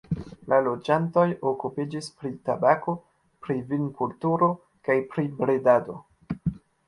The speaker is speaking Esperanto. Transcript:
La loĝantoj okupiĝis pri tabako, pri vinkulturo kaj pri bredado.